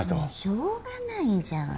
しょうがないじゃん。